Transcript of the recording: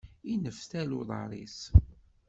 Inneftal uḍaṛ-is.